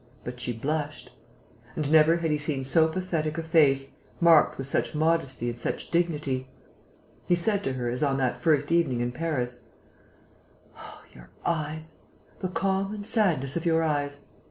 But she blushed. And never had he seen so pathetic a face, marked with such modesty and such dignity. He said to her, as on that first evening in Paris: "Oh, your eyes ... the calm and sadness of your eyes